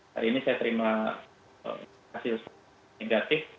hari ini saya terima hasil negatif